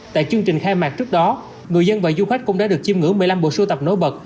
tại chương trình khai mạc trước đó người dân và du khách cũng đã được chiêm ngưỡng một mươi năm bộ sưu tập nối bật